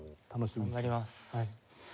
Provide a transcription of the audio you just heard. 頑張ります。